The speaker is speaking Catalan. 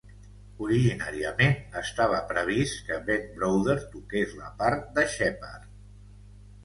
Originàriament estava previst que Ben Browder toqués la part de Sheppard.